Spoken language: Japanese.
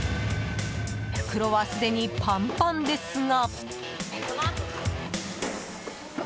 袋は、すでにパンパンですが。